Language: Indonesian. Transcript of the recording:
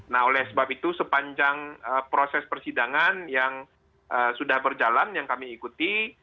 nah oleh sebab itu sepanjang proses persidangan yang sudah berjalan yang kami ikuti